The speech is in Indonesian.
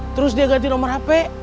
terus dia ganti nomor hp